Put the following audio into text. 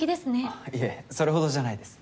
あっいえそれほどじゃないです。